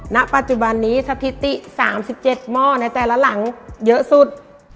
ณปัจจุบันนี้สถิติ๓๗หม้อในแต่ละหลังเยอะสุด